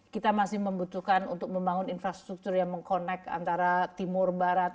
kita masih membutuhkan untuk membangun infrastruktur yang meng connect antara timur barat